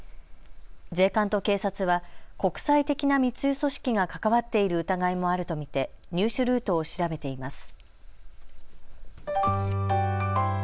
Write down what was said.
税関と警察は国際的な密輸組織が関わっている疑いもあると見て入手ルートを調べています。